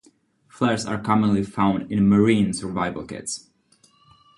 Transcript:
Flares are commonly found in marine survival kits.